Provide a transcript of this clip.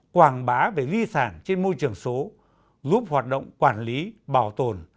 quảng bá về di sản trên môi trường số giúp hoạt động quản lý bảo tồn